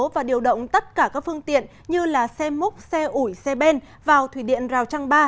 và điều động tất cả các phương tiện như xe múc xe ủi xe ben vào thủy điện rào trăng ba